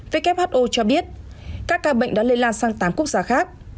who cho biết các ca bệnh đã lây lan sang tám quốc gia khác